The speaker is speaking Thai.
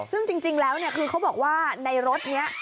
ซึ่งจริงแล้วคือเขาบอกว่าในรถนี้